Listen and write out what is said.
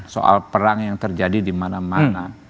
soal perang yang terjadi di mana mana